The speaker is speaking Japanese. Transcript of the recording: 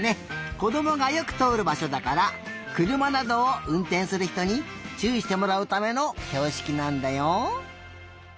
こどもがよくとおるばしょだからくるまなどをうんてんするひとにちゅういしてもらうためのひょうしきなんだよ。